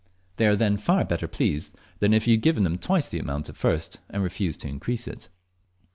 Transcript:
They are then far better pleased than if you had given them twice the amount at first and refused to increase it.